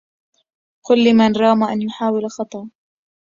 قل لمن رام أن يحاول خطا